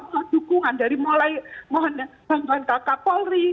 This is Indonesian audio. mohon dukungan dari mohon bantuan kakak polri